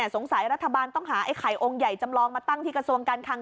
รัฐบาลต้องหาไอ้ไข่องค์ใหญ่จำลองมาตั้งที่กระทรวงการคัง